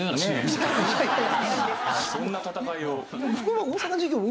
そんな戦いを。